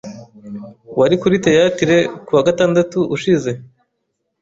Wari kuri theatre kuwa gatandatu ushize?